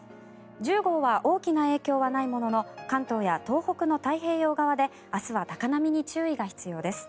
１０号は大きな影響はないものの関東や東北の太平洋側で明日は高波に注意が必要です。